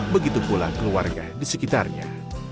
begitu pula keluarga di sekitarnya